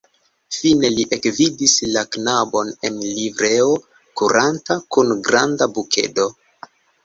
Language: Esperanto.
Fine li ekvidis la knabon en livreo kuranta kun granda bukedo.